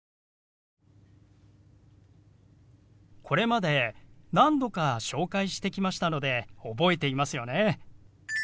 これまで何度か紹介してきましたので覚えていますよね？